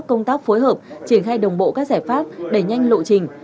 công tác phối hợp triển khai đồng bộ các giải pháp đẩy nhanh lộ trình